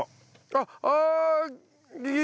あっああ！